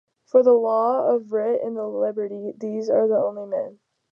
For the law of writ and the liberty, these are the only men.